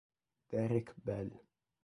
Derek Bell